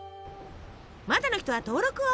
まだの人は登録を。